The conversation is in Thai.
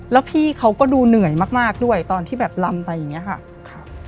แล้วพี่เขาก็ดูเหนื่อยมากด้วยตอนที่แบบลำไปอย่างนี้ค่ะ